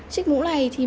chiếc mũ này thì mình